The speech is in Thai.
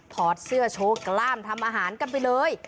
ถอดเสื้อโชว์กล้ามทำอาหารกันไปเลย